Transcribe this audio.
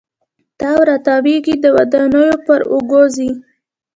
تاو را تاویږې د دودانو پر اوږو ځي